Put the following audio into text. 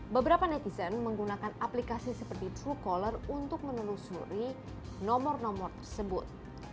beberapa netizen menggunakan aplikasi seperti truecaller untuk menelusuri nomor nomor tersebut